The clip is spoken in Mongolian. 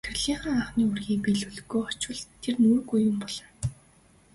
Захирлынхаа анхны үүрийг биелүүлэлгүй очвол нэр нүүргүй юм болно.